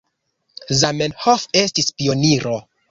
Zamenhof estis pioniro.